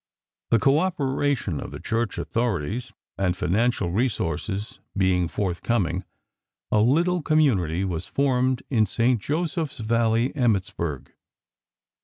The co operation of the Church authorities, and financial resources being forthcoming, a little Community was formed in St. Joseph's Valley, Emmittsburg.